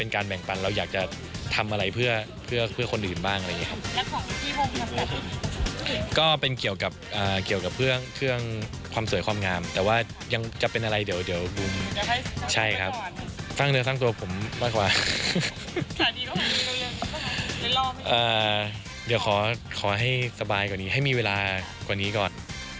เกี่ยวกับเครื่องความสวยความงามแต่ว่ายังจะเป็นอะไรเดี๋ยวบูมสร้างตัวผมมากกว่าขอให้สบายกว่านี้ให้มีเวลาก่อนนี้ก่อน